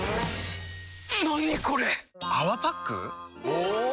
お！